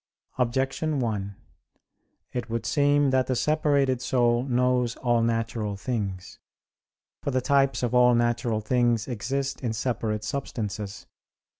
Objection 1: It would seem that the separated soul knows all natural things. For the types of all natural things exist in separate substances.